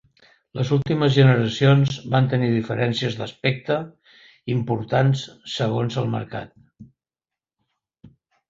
Les últimes generacions van tenir diferències d'aspecte importants segons el mercat.